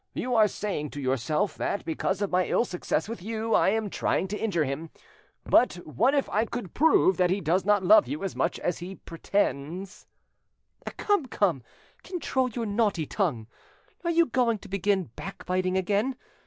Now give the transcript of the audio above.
You are saying to yourself that because of my ill success with you I am trying to injure him; but what if I could prove that he does not love you as much as he pretends—?" "Come, come, control your naughty tongue! Are you going to begin backbiting again?